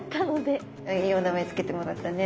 いいお名前付けてもらったね。